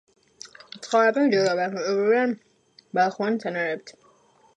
ცხოვრობენ ჯოგებად, იკვებებიან ბალახოვანი მცენარეებით.